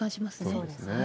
そうですね。